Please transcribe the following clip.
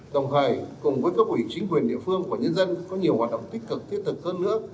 đồng thời cùng với các quỷ chính quyền địa phương của nhân dân có nhiều hoạt động tích cực thiết thực hơn nữa